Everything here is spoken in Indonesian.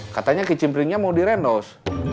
katanya kicimpringnya mau direndos